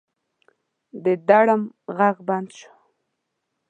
د ډرم غږ بند شو.